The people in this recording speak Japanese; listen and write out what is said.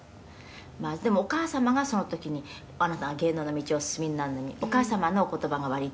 「まあでもお母様がその時にあなたが芸能の道にお進みになるのにお母様のお言葉が割と」